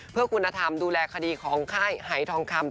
เพื่อคุณธรรมดูแลคดีของค่ายหายทองคำ